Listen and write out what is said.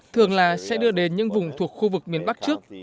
thường là sẽ đưa đến những vùng thuộc khu vực miền bắc trước